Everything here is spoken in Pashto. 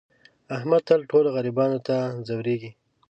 احمد تل ټولو غریبانو ته ځورېږي.